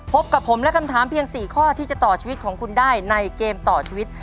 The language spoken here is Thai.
พบกับผมและคำถามเพียง๔ข้อที่จะต่อชีวิตของคุณได้ในเกมต่อชีวิต